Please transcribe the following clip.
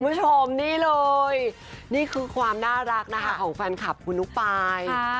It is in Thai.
คุณผู้ชมนี่เลยนี่คือความน่ารักนะคะของแฟนคลับคุณนุ๊กปาย